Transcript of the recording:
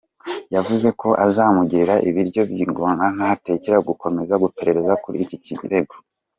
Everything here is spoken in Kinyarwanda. Yavuze ko azamugira ibiryo by’ingona ntatareka gukomeza guperereza kuri iki kirego.